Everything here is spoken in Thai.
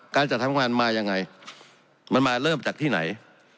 การจัดทำงานมายังไงมันมาเริ่มจากที่ไหน